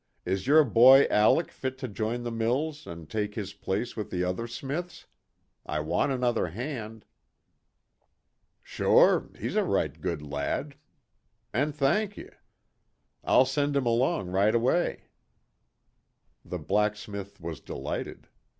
Is your boy Alec fit to join the mills and take his place with the other smiths? I want another hand." "Sure, he's a right good lad an' thankee. I'll send him along right away." The blacksmith was delighted.